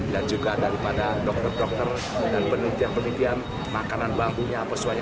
juga daripada dokter dokter dan penelitian penelitian makanan bambunya apa semuanya